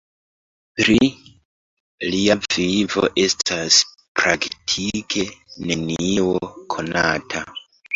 Pri lia vivo estas praktike nenio konata.